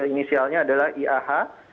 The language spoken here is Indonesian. inisialnya adalah iah